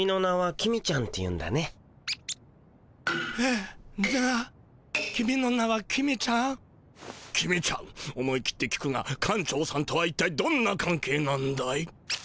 公ちゃん思い切って聞くが館長さんとはいったいどんなかん係なんだい？